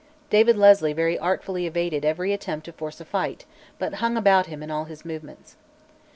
David Leslie very artfully evaded every attempt to force a fight, but hung about him in all his movements.